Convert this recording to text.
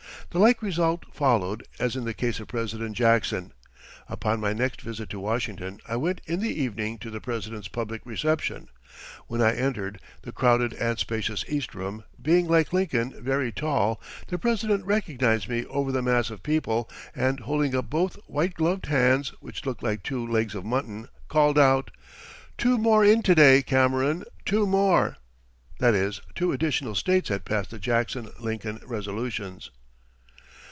The like result followed as in the case of President Jackson. Upon my next visit to Washington I went in the evening to the President's public reception. When I entered the crowded and spacious East Room, being like Lincoln very tall, the President recognized me over the mass of people and holding up both white gloved hands which looked like two legs of mutton, called out: 'Two more in to day, Cameron, two more.' That is, two additional States had passed the Jackson Lincoln resolutions."